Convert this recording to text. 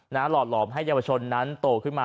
หลอดหลอมให้เยาวชนนั้นโตขึ้นมา